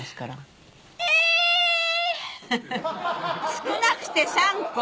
少なくて３個？